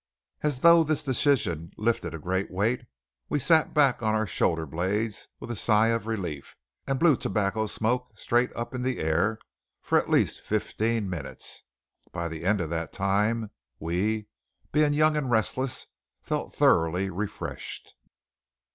As though this decision lifted a great weight, we sat back on our shoulder blades with a sigh of relief, and blew tobacco smoke straight up in the air for at least fifteen minutes. By the end of that time we, being young and restless, felt thoroughly refreshed.